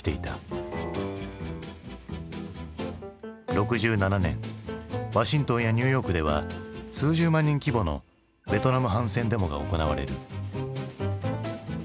６７年ワシントンやニューヨークでは数十万人規模のベトナム反戦デモが行われる。